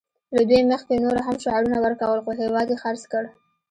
له دوی مخکې نورو هم شعارونه ورکول خو هېواد یې خرڅ کړ